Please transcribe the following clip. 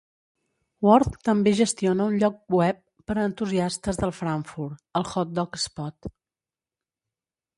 Worth també gestiona un lloc web per a entusiastes del frankfurt, el "Hot Dog Spot".